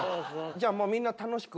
じゃあもうみんな楽しく。